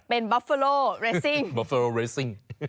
เป็นบอฟเฟโร่เรสซิงบอฟเฟโร่เรสซิง